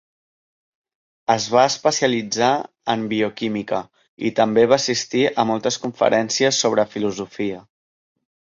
Es va especialitzar en bioquímica, i també va assistir a moltes conferències sobre filosofia.